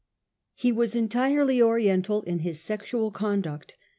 He was entirely Oriental in his sexual conduct.